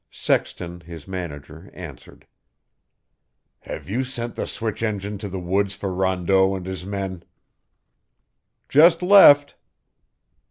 Sexton, his manager, answered. "Have you sent the switch engine to the woods for Rondeau and his men?" "Just left."